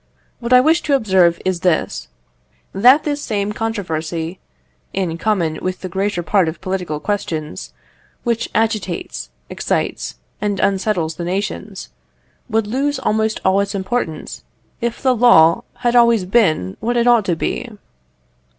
What I wish to observe is this, that this same controversy (in common with the greater part of political questions) which agitates, excites, and unsettles the nations, would lose almost all its importance if the law had always been what it ought to be.